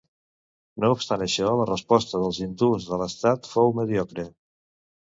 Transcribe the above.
No obstant això, la resposta dels hindús de l'estat fou mediocre.